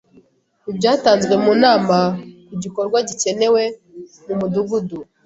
ibyatanzwe mu nama ku gikorwa gikenewe mu mudugudu,